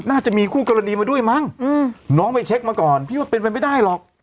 น่าจะมีคู่กรณีมาด้วยมั้งน้องไปเช็คมาก่อนพี่ว่าเป็นไปไม่ได้หรอก